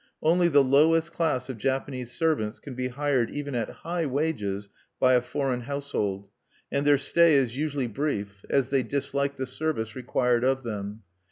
Only the lowest class of Japanese servants can be hired even at high wages by a foreign household; and their stay is usually brief, as they dislike the service required of them.